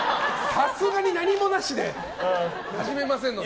さすがに何もなしで始めませんので。